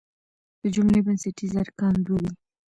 د جملې بنسټیز ارکان دوه دي.